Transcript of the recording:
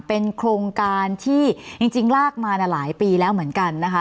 เป็นโครงการที่จริงลากมาหลายปีแล้วเหมือนกันนะคะ